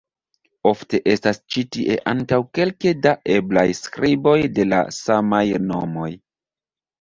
Ofte estas ĉi tie ankaŭ kelke da eblaj skriboj de la samaj nomoj.